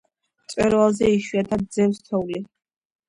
მწვერვალზე იშვიათად ძევს თოვლი.